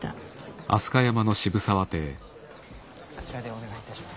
あちらでお願いいたします。